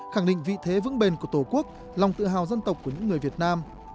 khẳng định vị thế vững bền của tổ quốc lòng tự hào dân tộc của những người việt nam